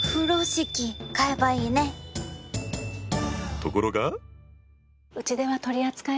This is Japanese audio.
ところが。